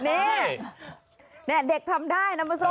เนี่ยเด็กทำได้นะเมาโซ